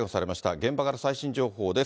現場から最新情報です。